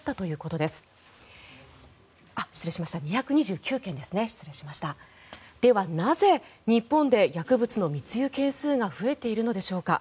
ではなぜ日本で薬物の密輸件数が増えているのでしょうか。